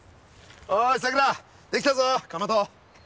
おいさくらできたぞかまど。